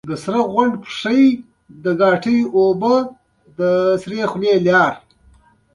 په اثارو کې ادبي صنايع ، محمدي صاحبزداه ،کاظم خان شېدا دى.